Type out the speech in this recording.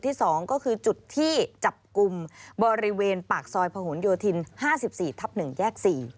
ที่๒ก็คือจุดที่จับกลุ่มบริเวณปากซอยพหนโยธิน๕๔ทับ๑แยก๔